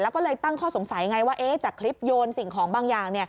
แล้วก็เลยตั้งข้อสงสัยไงว่าจากคลิปโยนสิ่งของบางอย่าง